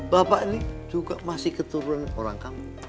bapak ini juga masih keturunan orang kamu